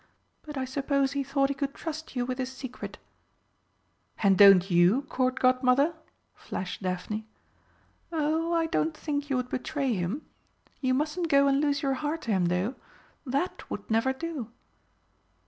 But I suppose he thought he could trust you with his secret." "And don't you, Court Godmother?" flashed Daphne. "Oh, I don't think you would betray him. You mustn't go and lose your heart to him, though. That would never do!"